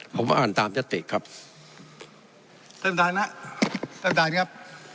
ผมอ่านตามยติครับท่านประธานนะท่านประธานครับ